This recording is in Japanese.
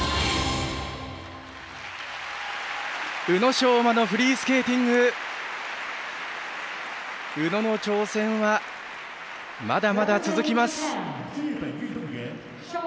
宇野昌磨のフリースケーティング宇野の挑戦はまだまだ続きます。